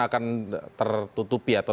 akan tertutupi atau